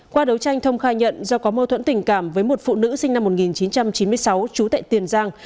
qua đấu tranh thông khai nhận do có mâu thuẫn tình cảm với một phụ nữ sinh năm một nghìn chín trăm chín mươi sáu trú tại tiền giang